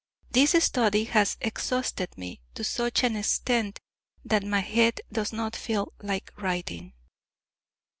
This study has exhausted me to such an extent that my head does not feel like writing.